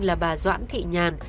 là bà doãn thị nhàn